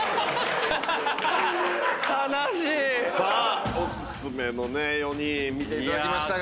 さあお薦めの４人見ていただきましたが。